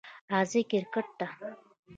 راځئ کریکټ ته!